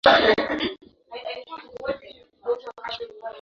Mwaka wa elfu moja mia tisa hamsini na moja